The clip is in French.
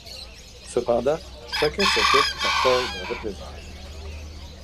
Cependant, chacun se tait, par peur de représailles.